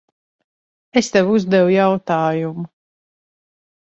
Es tev uzdevu jautājumu.